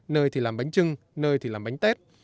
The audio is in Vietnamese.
nơi thì làm bánh trưng nơi thì làm bánh tét